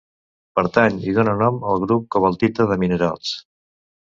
Pertany i dóna nom al grup cobaltita de minerals.